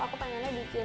aku pengennya di cilang